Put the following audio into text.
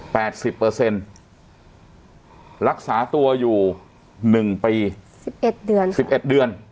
เปอร์เซ็นต์รักษาตัวอยู่หนึ่งปีสิบเอ็ดเดือนสิบเอ็ดเดือน